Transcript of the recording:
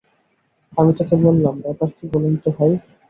আমি তাঁকে বললাম, ব্যাপার কী বলেন তো ভাই?